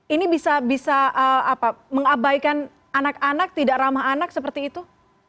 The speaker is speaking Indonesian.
ini bisa mengabaikan anak anak tidak ramah anak seperti itu